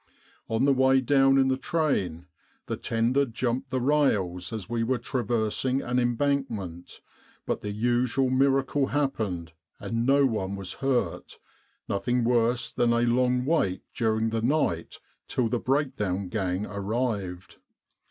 On the way down in the train, the tender jumped the rails as we were traversing an embankment; but the usual miracle happened and no one was hurt nothing worse than a long wait during the night till the breakdown gang arrived.